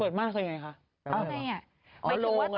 เปิดม่านซะยังไงคะ